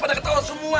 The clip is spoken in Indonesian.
padahal ketawa semua